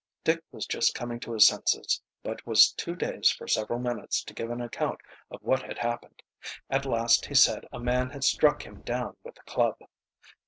Dick was just coming to his senses, but was too dazed for several minutes to give an account of what had happened. At last he said a man had struck him down with a club.